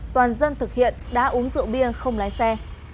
toàn dân thực hiện đã uống rượu bia không lái xe